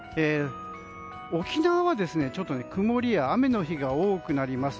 沖縄は曇りや雨の日が多くなります。